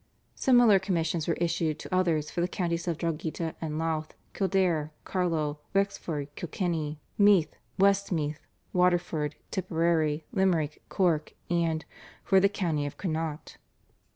Similar commissions were issued to others for the counties of Drogheda and Louth, Kildare, Carlow, Wexford, Kilkenny, Meath, Westmeath, Waterford, Tipperary, Limerick, Cork, and "for the county of Connaught."